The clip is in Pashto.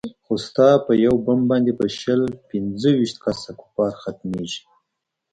خو ستا په يو بم باندې به شل پينځه ويشت کسه کفار ختميګي.